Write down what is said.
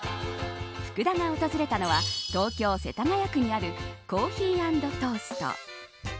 福田が訪れたのは東京、世田谷区にあるコーヒーアンドトースト。